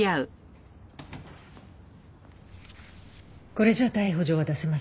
これじゃ逮捕状は出せません。